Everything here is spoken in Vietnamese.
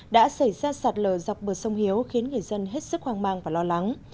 đã xảy ra sạt lở dọc bờ sông hiếu khiến người dân hết sức hoang mang và lo lắng